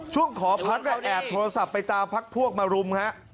ขอพักเราแอบโทรศัพท์ไปตามพักพวกมารุมฮะ